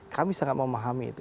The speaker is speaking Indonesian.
kami sangat memahami itu